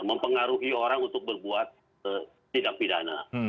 mempengaruhi orang untuk berbuat tindak pidana